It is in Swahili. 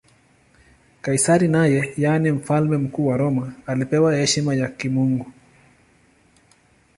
Kaisari naye, yaani Mfalme Mkuu wa Roma, alipewa heshima ya kimungu.